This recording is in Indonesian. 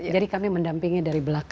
jadi kami mendampingi dari belakang